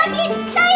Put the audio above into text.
kenyang gak sih